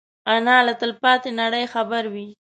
انا له تلپاتې نړۍ خبروي